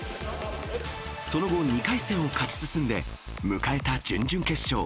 その後、２回戦を勝ち進んで、迎えた準々決勝。